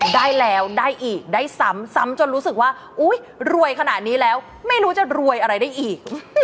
ได้แล้วได้อีกได้ซ้ำซ้ำจนรู้สึกว่าอุ๊ยรวยขนาดนี้แล้วไม่รู้จะรวยอะไรได้อีก